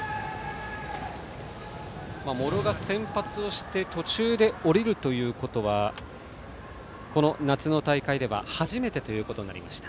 茂呂が先発をして途中で降りるということはこの夏の大会では初めてとなりました。